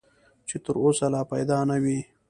چې تر اوسه لا پیدا نه وي .